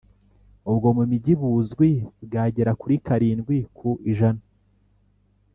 ubwo mu mijyi buzwi bwagera kuri karindwi ku ijana